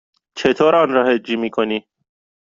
چطور آن را هجی می کنی؟